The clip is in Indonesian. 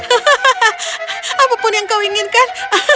hahaha apapun yang kau inginkan